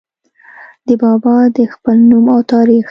د بابا د خپل نوم او تاريخ